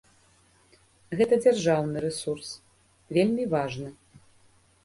Гэта дзяржаўны рэсурс, вельмі важны.